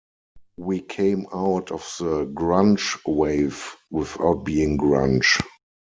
We came out of the grunge-wave, without being grunge.